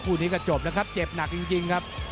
คู่นี้ก็จบนะครับเจ็บหนักจริงครับ